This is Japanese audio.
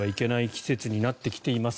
季節になってきています。